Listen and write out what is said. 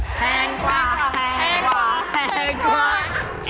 แพงกว่าแพงกว่าแพงกว่า